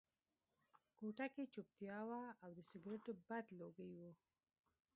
کوټه کې چوپتیا وه او د سګرټو بد لوګي وو